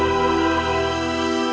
di sisi diri